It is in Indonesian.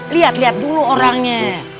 lihat lihat dulu orangnya